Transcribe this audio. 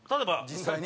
実際に？